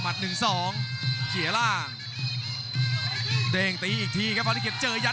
ขวางเอาไว้ครับโอ้ยเด้งเตียวคืนครับฝันด้วยศอกซ้าย